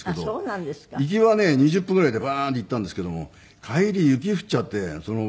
行きはね２０分ぐらいでバーンって行ったんですけども帰り雪降っちゃって。